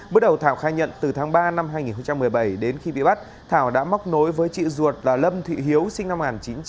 bước đầu thảo khai nhận từ tháng ba năm hai nghìn một mươi bảy đến khi bị bắt thảo đã móc nối với chị ruột là lâm thị hiếu sinh năm một nghìn chín trăm tám mươi